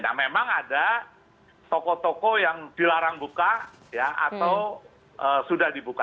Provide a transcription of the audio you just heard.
nah memang ada toko toko yang dilarang buka ya atau sudah dibuka